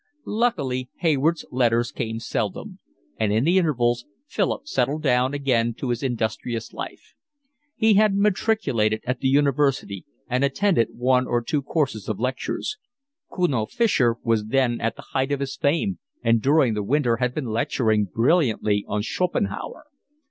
Luckily Hayward's letters came seldom, and in the intervals Philip settled down again to his industrious life. He had matriculated at the university and attended one or two courses of lectures. Kuno Fischer was then at the height of his fame and during the winter had been lecturing brilliantly on Schopenhauer.